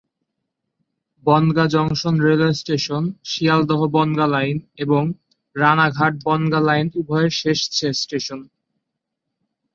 Bongaon junction railway station Sealdah-Bangaon line এবং Ranaghat-Bongaon line উভয়ের শেষ স্টেশন।